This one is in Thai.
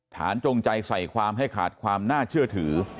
จงใจใส่ความให้ขาดความน่าเชื่อถือ